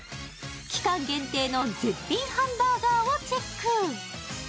期間限定の絶品ハンバーガーをチェック。